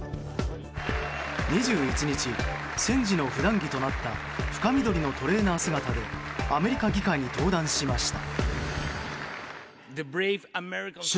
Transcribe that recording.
２１日、戦時の普段着となった深緑のトレーナー姿でアメリカ議会に登壇しました。